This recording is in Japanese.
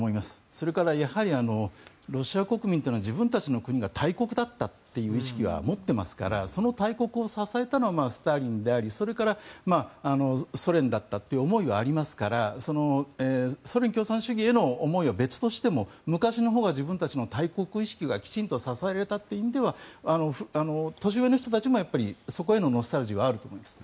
それからやはりロシア国民というのは自分たちの国が大国だったという意識を持っていますからその大国を支えたのはスターリンでありそれからソ連だったという思いはありますからソ連共産主義への思いは別としても昔のほうが自分たちの大国意識がきちんと支えられていたという意味では年上の人たちもそこへのノスタルジーはあると思います。